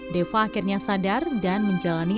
deva akhirnya sadar dan menjalani